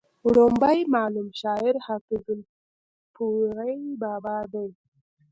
وړومبی معلوم شاعر حافظ الپورۍ بابا دی